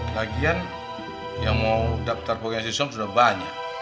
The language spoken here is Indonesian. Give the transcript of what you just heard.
lagian yang mau dapet arpoknya si sulam sudah banyak